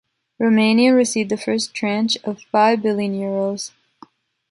Romania received the first tranche of five billion euros.